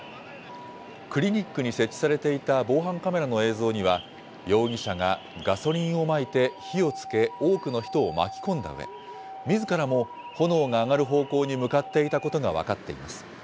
クリニックに設置されていた防犯カメラの映像には、容疑者がガソリンをまいて火をつけ、多くの人を巻き込んだうえ、みずからも、炎が上がる方向に向かっていたことが分かっています。